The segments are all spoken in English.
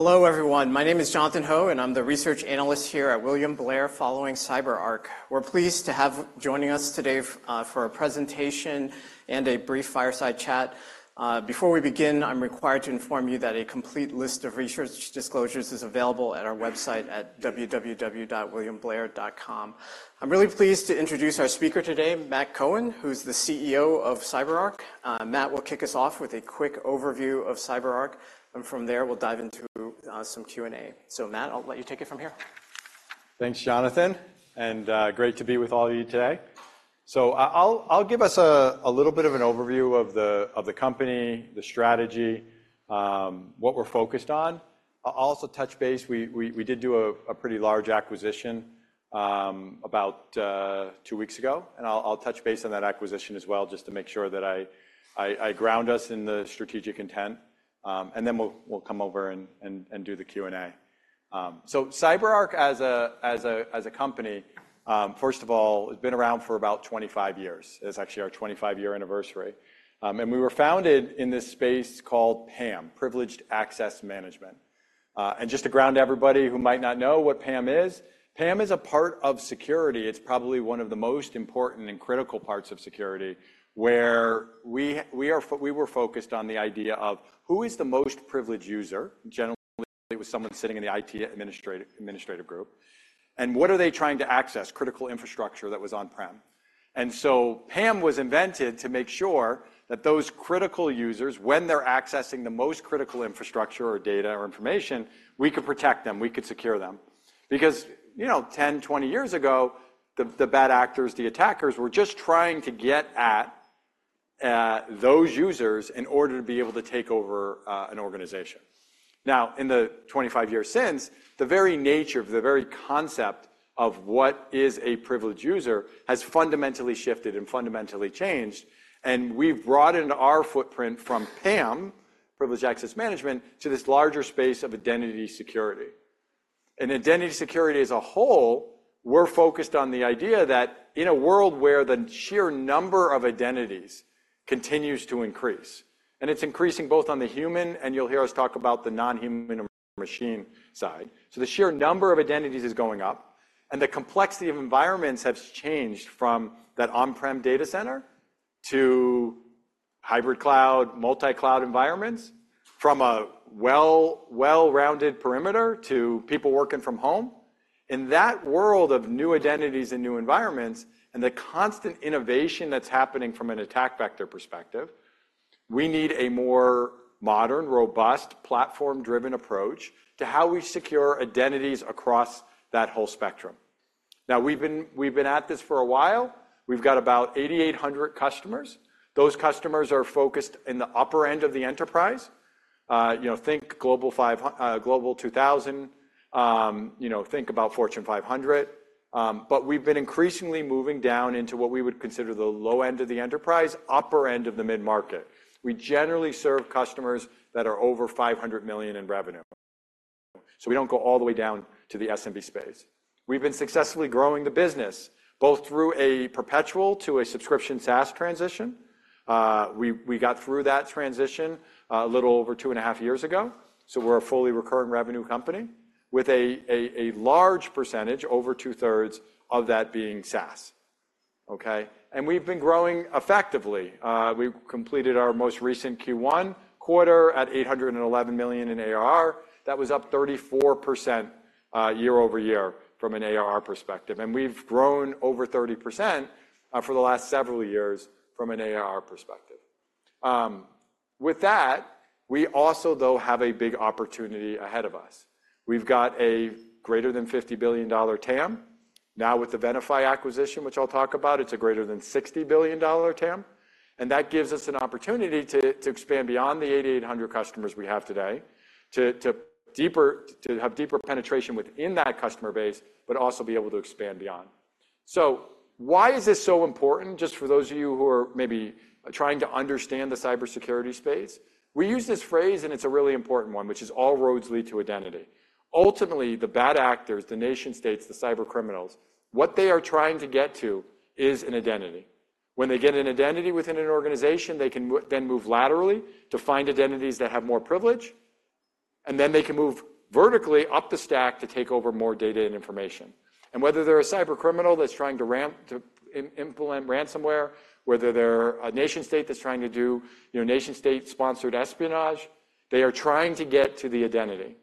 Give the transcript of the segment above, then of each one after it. Hello, everyone. My name is Jonathan Ho, and I'm the research analyst here at William Blair, following CyberArk. We're pleased to have joining us today for a presentation and a brief fireside chat. Before we begin, I'm required to inform you that a complete list of research disclosures is available at our website at www.williamblair.com. I'm really pleased to introduce our speaker today, Matt Cohen, who's the CEO of CyberArk. Matt will kick us off with a quick overview of CyberArk, and from there, we'll dive into some Q&A. So Matt, I'll let you take it from here. Thanks, Jonathan, and great to be with all of you today. So I'll give us a little bit of an overview of the company, the strategy, what we're focused on. I'll also touch base, we did do a pretty large acquisition about two weeks ago, and I'll touch base on that acquisition as well, just to make sure that I ground us in the strategic intent. And then we'll come over and do the Q&A. So CyberArk, as a company, first of all, has been around for about 25 years. It's actually our 25-year anniversary. And we were founded in this space called PAM, Privileged Access Management. And just to ground everybody who might not know what PAM is, PAM is a part of security. It's probably one of the most important and critical parts of security, where we were focused on the idea of who is the most privileged user, generally, it was someone sitting in the IT administrator, administrator group, and what are they trying to access? Critical infrastructure that was on-prem. And so PAM was invented to make sure that those critical users, when they're accessing the most critical infrastructure or data or information, we could protect them, we could secure them. Because, you know, 10, 20 years ago, the bad actors, the attackers, were just trying to get at those users in order to be able to take over an organization. Now, in the 25 years since, the very nature, the very concept of what is a privileged user has fundamentally shifted and fundamentally changed, and we've broadened our footprint from PAM, Privileged Access Management, to this larger space of identity security. Identity security as a whole, we're focused on the idea that in a world where the sheer number of identities continues to increase, and it's increasing both on the human, and you'll hear us talk about the non-human and machine side. So the sheer number of identities is going up, and the complexity of environments have changed from that on-prem data center to hybrid cloud, multi-cloud environments, from a well-rounded perimeter to people working from home. In that world of new identities and new environments, and the constant innovation that's happening from an attack vector perspective, we need a more modern, robust, platform-driven approach to how we secure identities across that whole spectrum. Now, we've been at this for a while. We've got about 8,800 customers. Those customers are focused in the upper end of the enterprise. You know, think Global 2000, you know, think about Fortune 500. But we've been increasingly moving down into what we would consider the low end of the enterprise, upper end of the mid-market. We generally serve customers that are over $500 million in revenue. So we don't go all the way down to the SMB space. We've been successfully growing the business, both through a perpetual to a subscription SaaS transition. We got through that transition a little over 2.5 years ago, so we're a fully recurrent revenue company with a large percentage, over two-thirds, of that being SaaS. Okay? We've been growing effectively. We've completed our most recent Q1 quarter at $811 million in ARR. That was up 34%, year-over-year from an ARR perspective, and we've grown over 30%, for the last several years from an ARR perspective. With that, we also, though, have a big opportunity ahead of us. We've got a greater than $50 billion TAM. Now, with the Venafi acquisition, which I'll talk about, it's a greater than $60 billion TAM, and that gives us an opportunity to, to expand beyond the 8,800 customers we have today, to, to deeper, to have deeper penetration within that customer base, but also be able to expand beyond. So why is this so important? Just for those of you who are maybe trying to understand the cybersecurity space, we use this phrase, and it's a really important one, which is: All roads lead to identity. Ultimately, the bad actors, the nation-states, the cybercriminals, what they are trying to get to is an identity. When they get an identity within an organization, they can then move laterally to find identities that have more privilege, and then they can move vertically up the stack to take over more data and information. And whether they're a cybercriminal that's trying to implement ransomware, whether they're a nation state that's trying to do, you know, nation state-sponsored espionage, they are trying to get to the identity.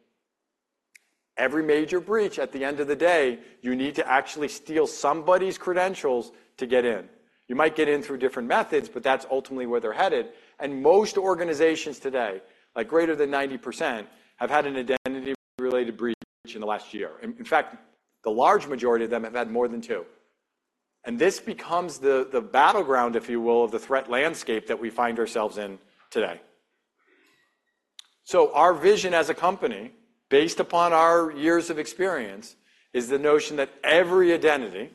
Every major breach, at the end of the day, you need to actually steal somebody's credentials to get in. You might get in through different methods, but that's ultimately where they're headed, and most organizations today, like greater than 90%, have had an identity-related breach in the last year. In fact, the large majority of them have had more than two. And this becomes the battleground, if you will, of the threat landscape that we find ourselves in today. So our vision as a company, based upon our years of experience, is the notion that every identity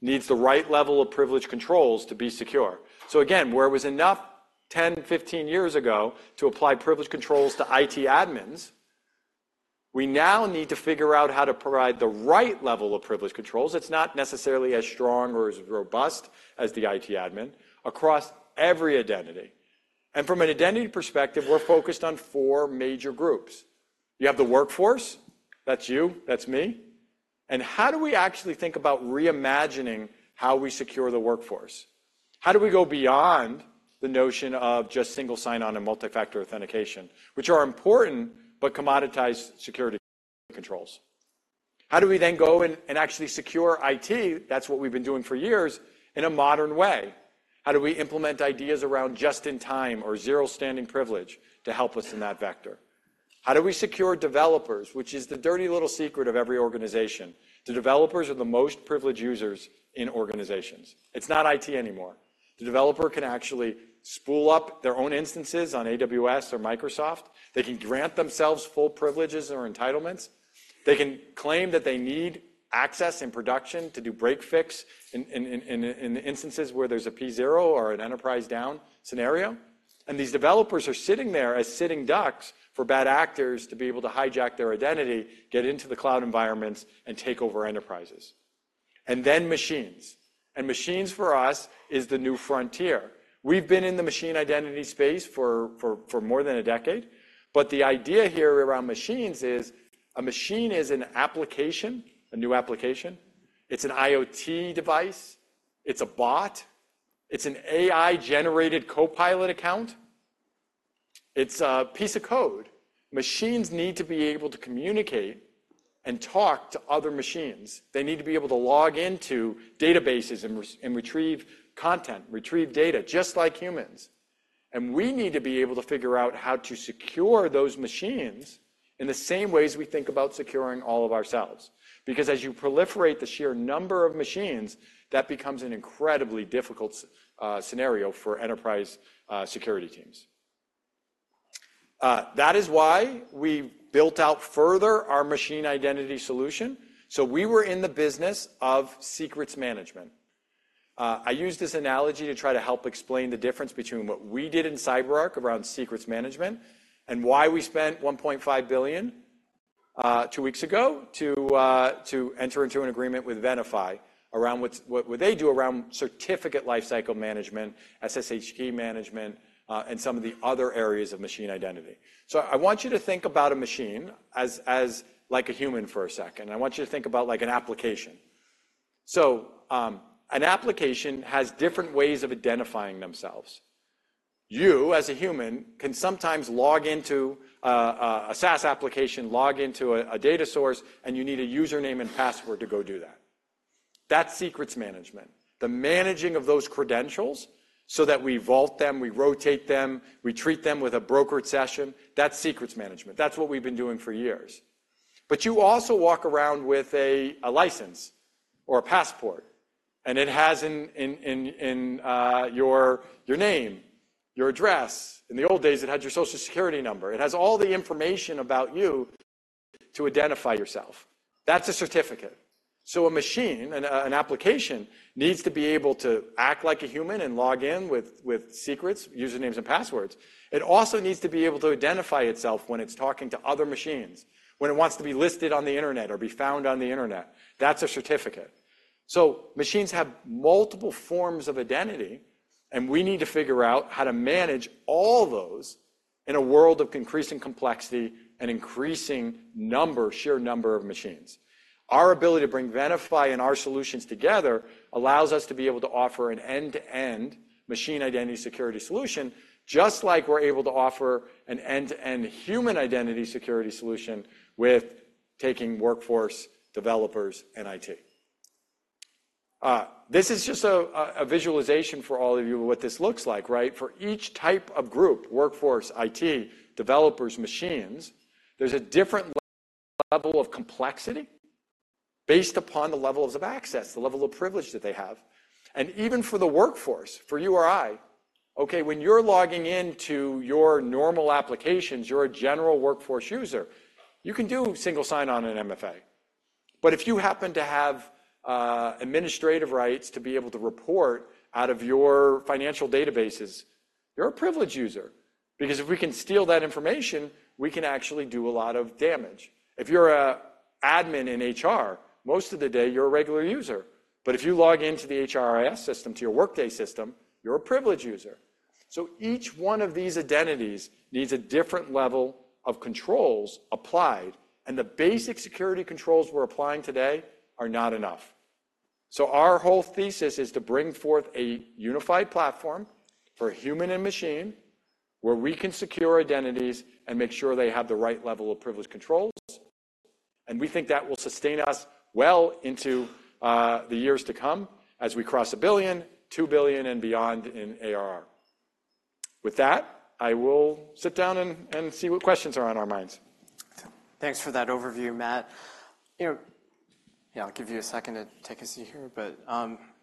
needs the right level of privilege controls to be secure. So again, where it was enough 10, 15 years ago to apply privilege controls to IT admins, we now need to figure out how to provide the right level of privilege controls. It's not necessarily as strong or as robust as the IT admin, across every identity. And from an identity perspective, we're focused on four major groups. You have the workforce, that's you, that's me. And how do we actually think about reimagining how we secure the workforce? How do we go beyond the notion of just single sign-on and multi-factor authentication, which are important, but commoditize security controls? How do we then go and actually secure IT, that's what we've been doing for years, in a modern way? How do we implement ideas around just-in-time or zero standing privilege to help us in that vector? How do we secure developers, which is the dirty little secret of every organization? The developers are the most privileged users in organizations. It's not IT anymore. The developer can actually spin up their own instances on AWS or Microsoft. They can grant themselves full privileges or entitlements. They can claim that they need access and production to do break fix in instances where there's a P0 or an enterprise down scenario, and these developers are sitting there as sitting ducks for bad actors to be able to hijack their identity, get into the cloud environments, and take over enterprises. And then machines, and machines for us is the new frontier. We've been in the machine identity space for more than a decade, but the idea here around machines is, a machine is an application, a new application. It's an IoT device, it's a bot, it's an AI-generated copilot account, it's a piece of code. Machines need to be able to communicate and talk to other machines. They need to be able to log into databases and retrieve content, retrieve data, just like humans. And we need to be able to figure out how to secure those machines in the same ways we think about securing all of ourselves, because as you proliferate the sheer number of machines, that becomes an incredibly difficult scenario for enterprise security teams. That is why we built out further our machine identity solution. So we were in the business of secrets management. I use this analogy to try to help explain the difference between what we did in CyberArk around secrets management and why we spent $1.5 billion two weeks ago to enter into an agreement with Venafi around what they do around certificate lifecycle management, SSH key management, and some of the other areas of machine identity. So I want you to think about a machine as like a human for a second. I want you to think about like an application. So, an application has different ways of identifying themselves. You, as a human, can sometimes log into a SaaS application, log into a data source, and you need a username and password to go do that. That's secrets management, the managing of those credentials so that we vault them, we rotate them, we treat them with a brokered session. That's secrets management. That's what we've been doing for years. But you also walk around with a license or a passport, and it has your name, your address. In the old days, it had your Social Security number. It has all the information about you to identify yourself. That's a certificate. So a machine and an application needs to be able to act like a human and log in with secrets, usernames, and passwords. It also needs to be able to identify itself when it's talking to other machines, when it wants to be listed on the Internet or be found on the Internet. That's a certificate. So machines have multiple forms of identity, and we need to figure out how to manage all those in a world of increasing complexity and increasing number, sheer number of machines. Our ability to bring Venafi and our solutions together allows us to be able to offer an end-to-end machine identity security solution, just like we're able to offer an end-to-end human identity security solution with taking workforce, developers, and IT. This is just a visualization for all of you of what this looks like, right? For each type of group, workforce, IT, developers, machines, there's a different level of complexity based upon the levels of access, the level of privilege that they have. And even for the workforce, for you or I, okay, when you're logging into your normal applications, you're a general workforce user. You can do single sign-on in MFA. But if you happen to have, administrative rights to be able to report out of your financial databases, you're a privileged user, because if we can steal that information, we can actually do a lot of damage. If you're a admin in HR, most of the day, you're a regular user. But if you log into the HRIS system, to your Workday system, you're a privileged user. So each one of these identities needs a different level of controls applied, and the basic security controls we're applying today are not enough. So our whole thesis is to bring forth a unified platform for human and machine, where we can secure identities and make sure they have the right level of privilege controls, and we think that will sustain us well into the years to come as we cross $1 billion, $2 billion, and beyond in ARR. With that, I will sit down and see what questions are on our minds. Thanks for that overview, Matt. You know, yeah, I'll give you a second to take a seat here, but,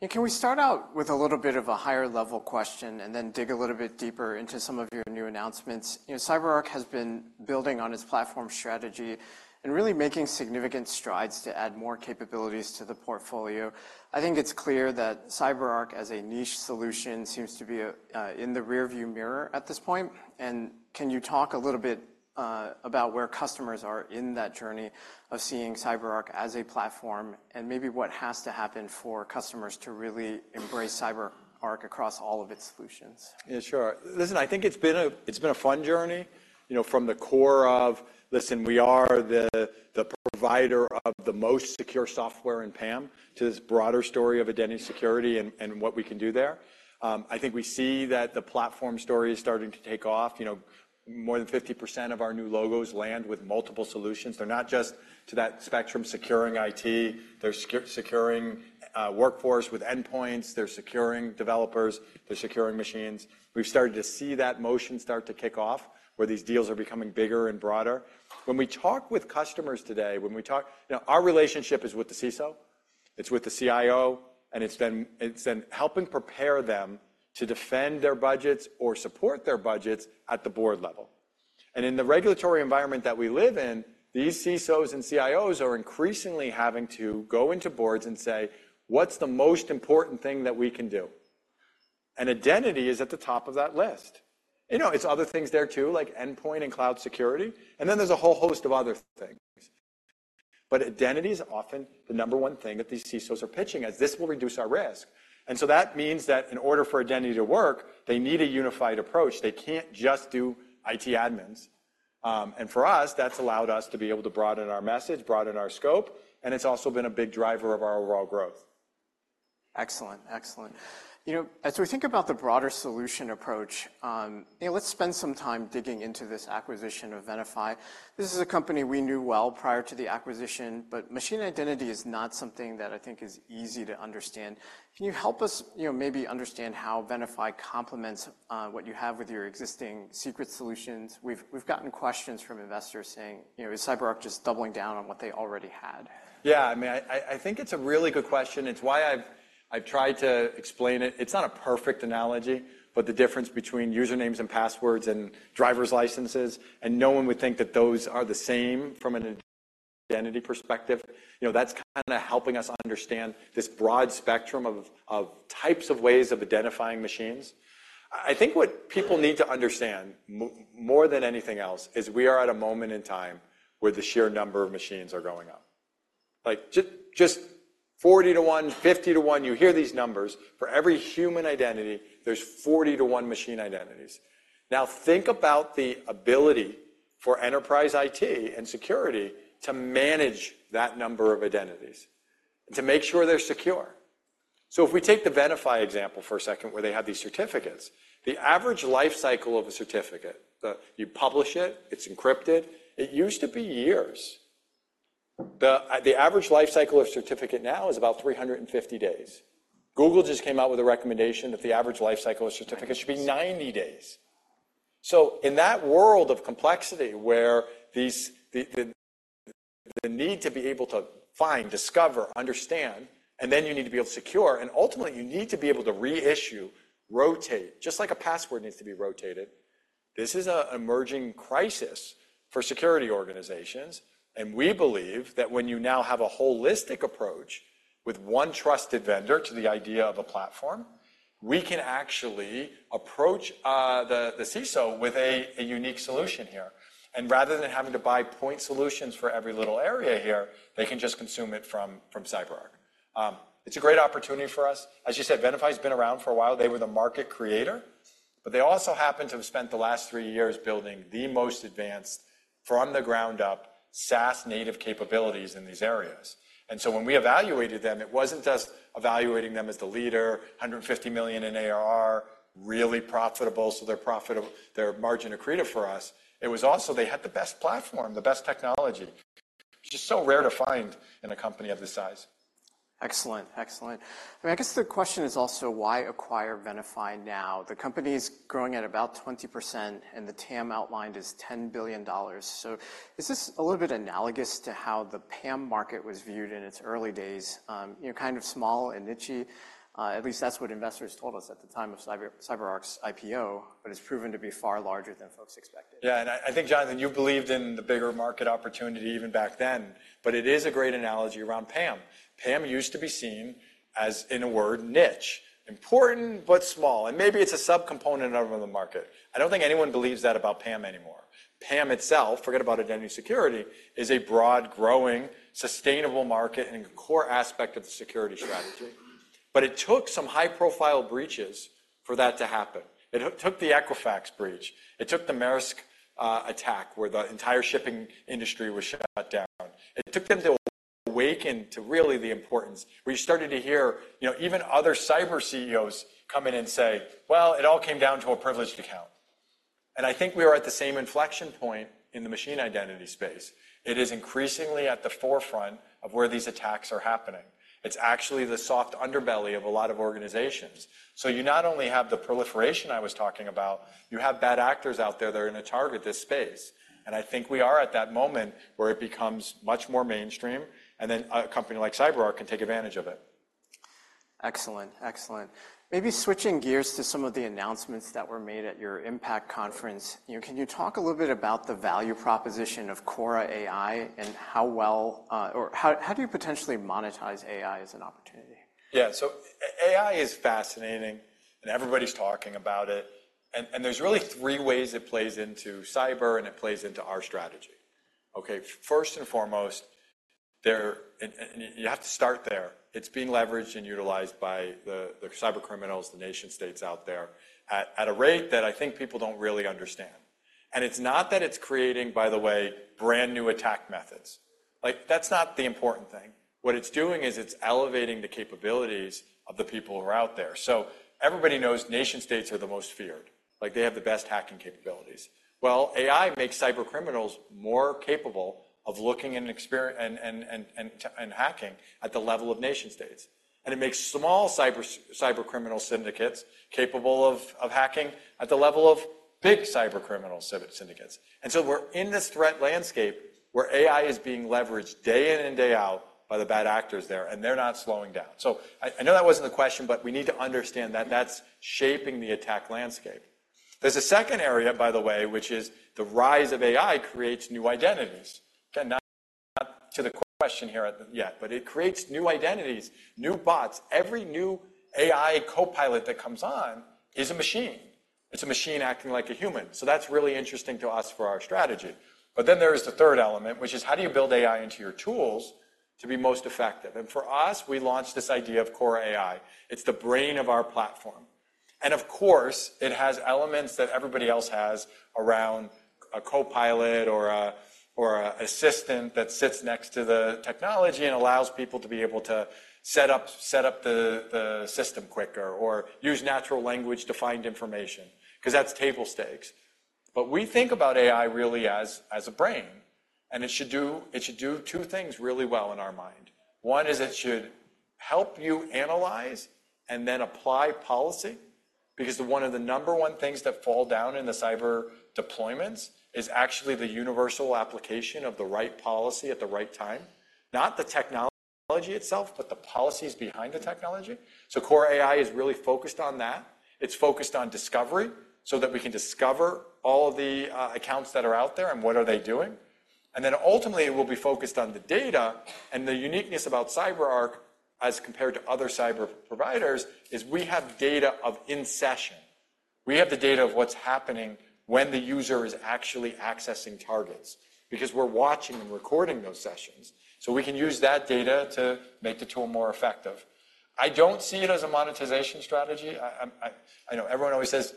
can we start out with a little bit of a higher level question and then dig a little bit deeper into some of your new announcements? You know, CyberArk has been building on its platform strategy and really making significant strides to add more capabilities to the portfolio. I think it's clear that CyberArk, as a niche solution, seems to be, in the rearview mirror at this point. And can you talk a little bit, about where customers are in that journey of seeing CyberArk as a platform and maybe what has to happen for customers to really embrace CyberArk across all of its solutions? Yeah, sure. Listen, I think it's been a fun journey, you know, from the core of, "Listen, we are the provider of the most secure software in PAM to this broader story of identity security and what we can do there." I think we see that the platform story is starting to take off. You know, more than 50% of our new logos land with multiple solutions. They're not just to that spectrum, securing IT. They're securing workforce with endpoints, they're securing developers, they're securing machines. We've started to see that motion start to kick off, where these deals are becoming bigger and broader. When we talk with customers today, when we talk, you know, our relationship is with the CISO, it's with the CIO, and it's been, it's been helping prepare them to defend their budgets or support their budgets at the board level. And in the regulatory environment that we live in, these CISOs and CIOs are increasingly having to go into boards and say: "What's the most important thing that we can do?" And identity is at the top of that list. You know, it's other things there, too, like endpoint and cloud security, and then there's a whole host of other things. But identity is often the number one thing that these CISOs are pitching as this will reduce our risk. And so that means that in order for identity to work, they need a unified approach. They can't just do IT admins. For us, that's allowed us to be able to broaden our message, broaden our scope, and it's also been a big driver of our overall growth. Excellent, excellent. You know, as we think about the broader solution approach, you know, let's spend some time digging into this acquisition of Venafi. This is a company we knew well prior to the acquisition, but machine identity is not something that I think is easy to understand. Can you help us, you know, maybe understand how Venafi complements what you have with your existing secret solutions? We've gotten questions from investors saying, you know, is CyberArk just doubling down on what they already had? Yeah, I mean, I think it's a really good question. It's why I've tried to explain it. It's not a perfect analogy, but the difference between usernames and passwords and driver's licenses, and no one would think that those are the same from an identity perspective, you know, that's kinda helping us understand this broad spectrum of types of ways of identifying machines. I think what people need to understand more than anything else is we are at a moment in time where the sheer number of machines are going up. Like, just, just 40-to-1, 50-to-1, you hear these numbers. For every human identity, there's 40-to-1 machine identities. Now, think about the ability for enterprise IT and security to manage that number of identities, to make sure they're secure. So if we take the Venafi example for a second, where they have these certificates, the average life cycle of a certificate. You publish it, it's encrypted. It used to be years. The average life cycle of certificate now is about 350 days. Google just came out with a recommendation that the average life cycle of certificate should be 90 days. So in that world of complexity, where these, the need to be able to find, discover, understand, and then you need to be able to secure, and ultimately, you need to be able to reissue, rotate, just like a password needs to be rotated, this is a emerging crisis for security organizations. We believe that when you now have a holistic approach with one trusted vendor to the idea of a platform, we can actually approach the CISO with a unique solution here. Rather than having to buy point solutions for every little area here, they can just consume it from CyberArk. It's a great opportunity for us. As you said, Venafi's been around for a while. They were the market creator, but they also happen to have spent the last three years building the most advanced, from the ground up, SaaS-native capabilities in these areas. So when we evaluated them, it wasn't just evaluating them as the leader, $150 million in ARR, really profitable, so they're profitable, they're margin accretive for us, it was also they had the best platform, the best technology, which is so rare to find in a company of this size. Excellent, excellent. I mean, I guess the question is also: Why acquire Venafi now? The company's growing at about 20%, and the TAM outlined is $10 billion. So is this a little bit analogous to how the PAM market was viewed in its early days? You know, kind of small and niche-y. At least that's what investors told us at the time of Cyber, CyberArk's IPO, but it's proven to be far larger than folks expected. Yeah, and I think, Jonathan, you believed in the bigger market opportunity even back then, but it is a great analogy around PAM. PAM used to be seen as, in a word, niche, important but small, and maybe it's a subcomponent of the market. I don't think anyone believes that about PAM anymore. PAM itself, forget about identity security, is a broad, growing, sustainable market and a core aspect of the security strategy. But it took some high-profile breaches for that to happen. It took the Equifax breach, it took the Maersk attack, where the entire shipping industry was shut down. It took them to awaken to really the importance. We started to hear, you know, even other cyber CEOs come in and say, "Well, it all came down to a privileged account." And I think we are at the same inflection point in the machine identity space. It is increasingly at the forefront of where these attacks are happening. It's actually the soft underbelly of a lot of organizations. So you not only have the proliferation I was talking about, you have bad actors out there that are gonna target this space, and I think we are at that moment where it becomes much more mainstream, and then a company like CyberArk can take advantage of it. Excellent, excellent. Maybe switching gears to some of the announcements that were made at your Impact Conference, you know, can you talk a little bit about the value proposition of Cora AI and how well, or how do you potentially monetize AI as an opportunity? Yeah. So AI is fascinating, and everybody's talking about it, and there's really three ways it plays into cyber, and it plays into our strategy. Okay, first and foremost, you have to start there. It's being leveraged and utilized by the cybercriminals, the nation-states out there at a rate that I think people don't really understand. And it's not that it's creating, by the way, brand-new attack methods. Like, that's not the important thing. What it's doing is it's elevating the capabilities of the people who are out there. So everybody knows nation-states are the most feared. Like, they have the best hacking capabilities. Well, AI makes cybercriminals more capable of looking and hacking at the level of nation states. And it makes small cybercriminal syndicates capable of hacking at the level of big cybercriminal syndicates. And so we're in this threat landscape where AI is being leveraged day in and day out by the bad actors there, and they're not slowing down. So I know that wasn't the question, but we need to understand that that's shaping the attack landscape. There's a second area, by the way, which is the rise of AI creates new identities. Again, not to the question here yet, but it creates new identities, new bots. Every new AI copilot that comes on is a machine. It's a machine acting like a human, so that's really interesting to us for our strategy. But then there is the third element, which is: how do you build AI into your tools to be most effective? For us, we launched this idea of Cora AI. It's the brain of our platform. And of course, it has elements that everybody else has around a copilot or an assistant that sits next to the technology and allows people to set up the system quicker or use natural language to find information, 'cause that's table stakes. But we think about AI really as a brain, and it should do two things really well in our mind. One is it should help you analyze and then apply policy, because one of the number one things that fall down in the cyber deployments is actually the universal application of the right policy at the right time. Not the technology itself, but the policies behind the technology. So Cora AI is really focused on that. It's focused on discovery, so that we can discover all the accounts that are out there and what are they doing. And then ultimately, it will be focused on the data, and the uniqueness about CyberArk, as compared to other cyber providers, is we have data of in session. We have the data of what's happening when the user is actually accessing targets because we're watching and recording those sessions. So we can use that data to make the tool more effective. I don't see it as a monetization strategy. I know everyone always says,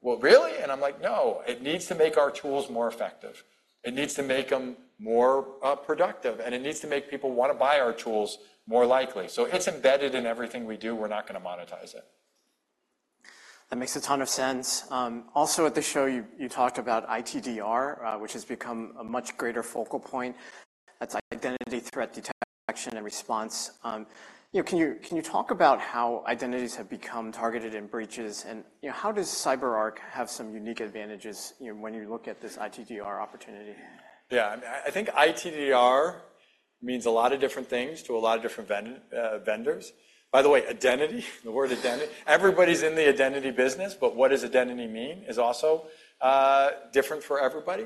"Well, really?" And I'm like: No, it needs to make our tools more effective. It needs to make them more productive, and it needs to make people want to buy our tools more likely. So it's embedded in everything we do. We're not going to monetize it. That makes a ton of sense. Also at the show, you, you talked about ITDR, which has become a much greater focal point. That's identity threat detection and response. You know, can you, can you talk about how identities have become targeted in breaches, and, you know, how does CyberArk have some unique advantages, you know, when you look at this ITDR opportunity? Yeah, I think ITDR means a lot of different things to a lot of different vendors. By the way, identity, the word identity, everybody's in the identity business, but what does identity mean is also different for everybody.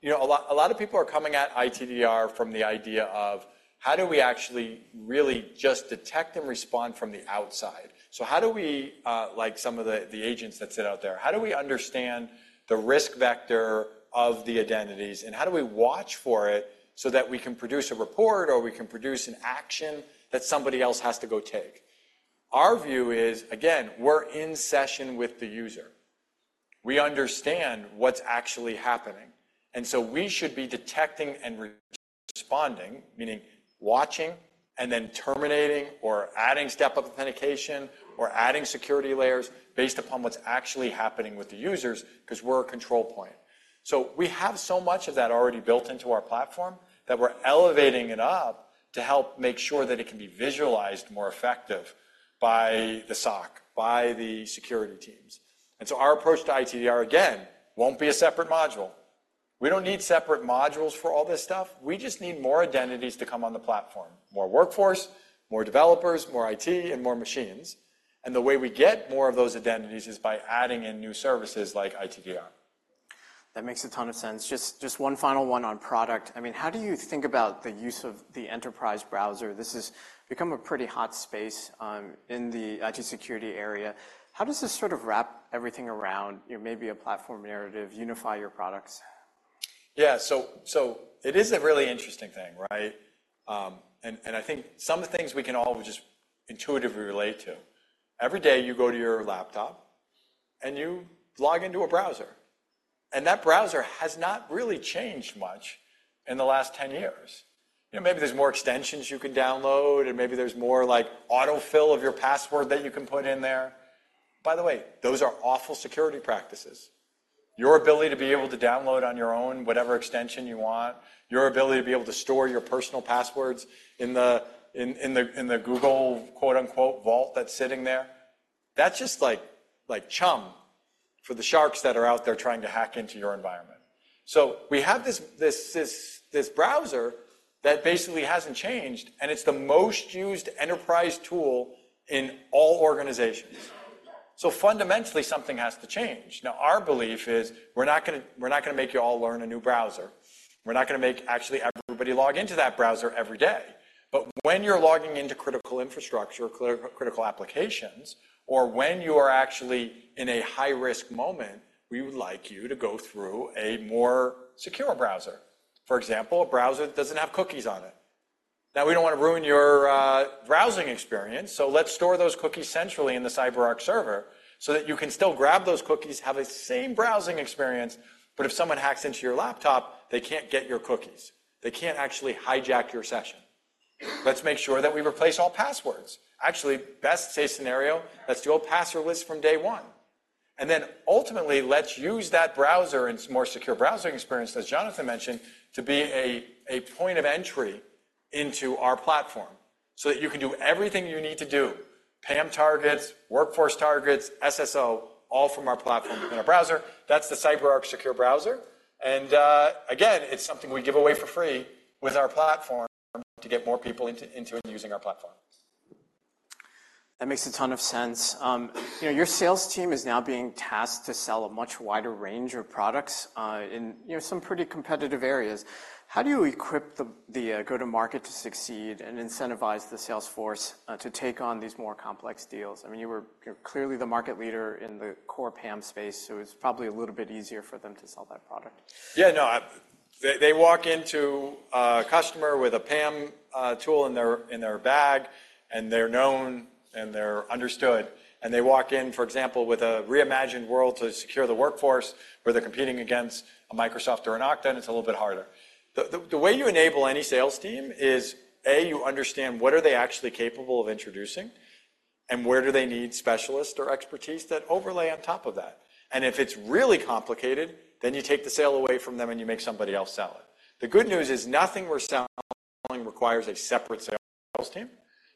You know, a lot of people are coming at ITDR from the idea of, how do we actually really just detect and respond from the outside? So how do we, like some of the agents that sit out there, how do we understand the risk vector of the identities, and how do we watch for it so that we can produce a report, or we can produce an action that somebody else has to go take? Our view is, again, we're in session with the user. We understand what's actually happening, and so we should be detecting and re-responding, meaning watching and then terminating or adding step-up authentication or adding security layers based upon what's actually happening with the users, 'cause we're a control point. So we have so much of that already built into our platform that we're elevating it up to help make sure that it can be visualized more effective by the SOC, by the security teams. And so our approach to ITDR, again, won't be a separate module. We don't need separate modules for all this stuff. We just need more identities to come on the platform, more workforce, more developers, more IT, and more machines. And the way we get more of those identities is by adding in new services like ITDR. That makes a ton of sense. Just, just one final one on product. I mean, how do you think about the use of the enterprise browser? This has become a pretty hot space, in the IT security area. How does this sort of wrap everything around, you know, maybe a platform narrative, unify your products? Yeah, so it is a really interesting thing, right? And I think some of the things we can all just intuitively relate to. Every day, you go to your laptop, and you log into a browser, and that browser has not really changed much in the last 10 years. You know, maybe there's more extensions you can download, and maybe there's more, like, autofill of your password that you can put in there. By the way, those are awful security practices. Your ability to be able to download on your own whatever extension you want, your ability to be able to store your personal passwords in the Google, quote, unquote, "vault" that's sitting there, that's just like chum for the sharks that are out there trying to hack into your environment. So we have this, this, this, this browser that basically hasn't changed, and it's the most used enterprise tool in all organizations. So fundamentally, something has to change. Now, our belief is we're not gonna, we're not gonna make you all learn a new browser. We're not gonna make actually everybody log into that browser every day... But when you're logging into critical infrastructure, critical, critical applications, or when you are actually in a high-risk moment, we would like you to go through a more secure browser. For example, a browser that doesn't have cookies on it. Now, we don't want to ruin your browsing experience, so let's store those cookies centrally in the CyberArk server so that you can still grab those cookies, have the same browsing experience, but if someone hacks into your laptop, they can't get your cookies. They can't actually hijack your session. Let's make sure that we replace all passwords. Actually, best case scenario, let's do a passwordless from day one. And then ultimately, let's use that browser and more secure browsing experience, as Jonathan mentioned, to be a point of entry into our platform so that you can do everything you need to do: PAM targets, workforce targets, SSO, all from our platform in a browser. That's the CyberArk Secure Browser, and again, it's something we give away for free with our platform to get more people into using our platform. That makes a ton of sense. You know, your sales team is now being tasked to sell a much wider range of products, in, you know, some pretty competitive areas. How do you equip the go-to-market to succeed and incentivize the sales force to take on these more complex deals? I mean, you were clearly the market leader in the core PAM space, so it's probably a little bit easier for them to sell that product. Yeah, no, they, they walk into a customer with a PAM tool in their, in their bag, and they're known, and they're understood, and they walk in, for example, with a reimagined world to secure the workforce, where they're competing against a Microsoft or an Okta, and it's a little bit harder. The way you enable any sales team is, A, you understand what are they actually capable of introducing, and where do they need specialists or expertise that overlay on top of that? And if it's really complicated, then you take the sale away from them, and you make somebody else sell it. The good news is nothing we're selling requires a separate sales team.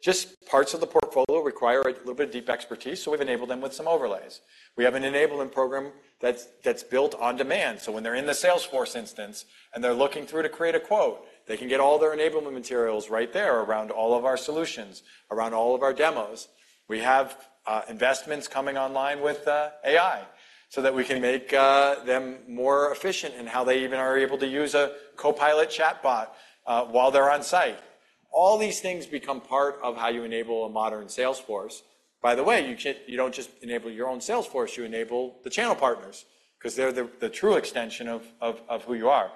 Just parts of the portfolio require a little bit of deep expertise, so we've enabled them with some overlays. We have an enabling program that's built on demand. So when they're in the Salesforce instance and they're looking through to create a quote, they can get all their enablement materials right there around all of our solutions, around all of our demos. We have investments coming online with AI so that we can make them more efficient in how they even are able to use a copilot chatbot while they're on site. All these things become part of how you enable a modern Salesforce. By the way, you ca-- you don't just enable your own Salesforce, you enable the channel partners 'cause they're the true extension of who you are.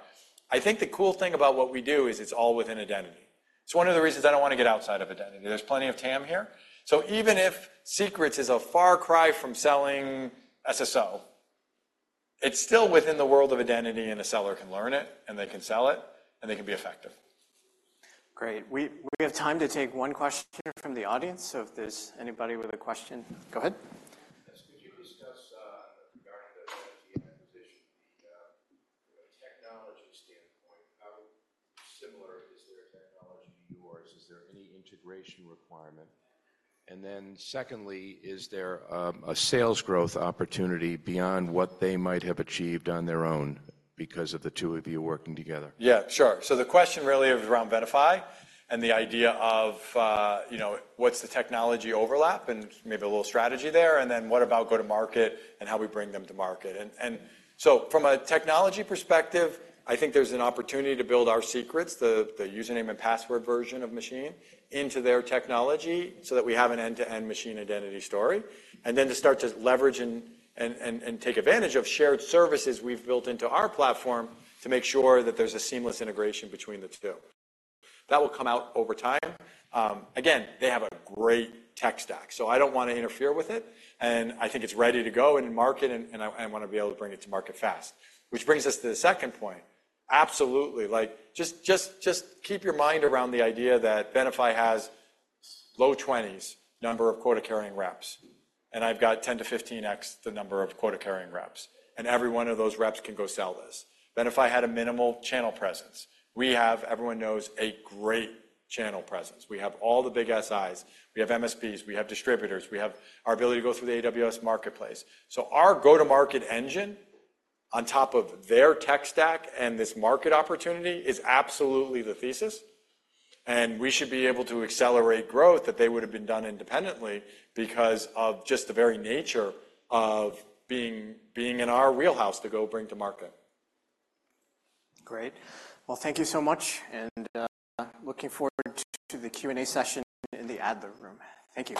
I think the cool thing about what we do is it's all within identity. It's one of the reasons I don't want to get outside of identity. There's plenty of TAM here. Even if Secrets is a far cry from selling SSO, it's still within the world of identity, and a seller can learn it, and they can sell it, and they can be effective. Great. We have time to take one question from the audience, so if there's anybody with a question, go ahead. Yes, could you discuss regarding the acquisition, the technology standpoint, how similar is their technology to yours? Is there any integration requirement? And then secondly, is there a sales growth opportunity beyond what they might have achieved on their own because of the two of you working together? Yeah, sure. So the question really is around Venafi and the idea of, you know, what's the technology overlap and maybe a little strategy there, and then what about go-to-market and how we bring them to market. So from a technology perspective, I think there's an opportunity to build our secrets, the username and password version of machine, into their technology so that we have an end-to-end machine identity story, and then to start to leverage and take advantage of shared services we've built into our platform to make sure that there's a seamless integration between the two. That will come out over time. Again, they have a great tech stack, so I don't want to interfere with it, and I think it's ready to go to market, and I wanna be able to bring it to market fast. Which brings us to the second point. Absolutely, like, just keep your mind around the idea that Venafi has low 20s number of quota-carrying reps, and I've got 10-15x the number of quota-carrying reps, and every one of those reps can go sell this. Venafi had a minimal channel presence. We have, everyone knows, a great channel presence. We have all the big SIs, we have MSPs, we have distributors, we have our ability to go through the AWS marketplace. So our go-to-market engine on top of their tech stack and this market opportunity is absolutely the thesis, and we should be able to accelerate growth that they would have been done independently because of just the very nature of being in our wheelhouse to go bring to market. Great. Well, thank you so much, and looking forward to the Q&A session in the Adler Room. Thank you.